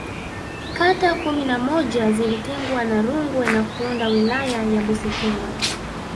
kata kumi na moja zilitengwa na Rungwe na kuunda Wilaya ya Busekelo